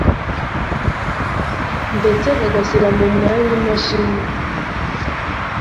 ndetse bagashyira mu mwanya imashini